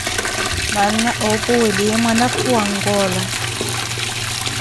Manaana apuweleliwe mwanakhu a wangola.